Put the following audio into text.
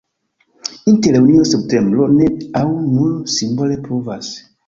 Inter junio-septembro ne aŭ nur simbole pluvas.